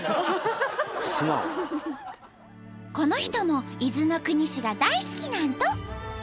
この人も伊豆の国市が大好きなんと！